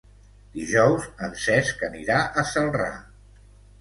Dijous en Cesc anirà a Celrà.